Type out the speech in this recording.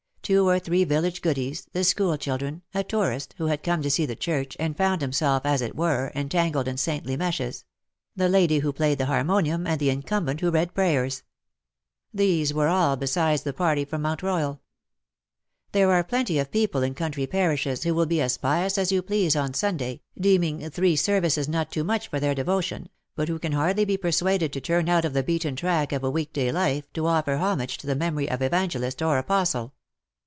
Two or three village goodies — the school children — a tourist, who had come to see the church, and found himself, as it were, entangled in saintly meshes — the lady who played the harmonium, and the incumbent who read prayers. These were 110 ^^love! thou art leading me all, besides the party from Mount Royal. There are plenty of people in country parishes who will be as pious as you please on Sunday, deeming three services not too much for their devotion, but who can hardly be persuaded to turn out of the beaten track of week day life to offer homage to the memory of Evangelist or Apostle.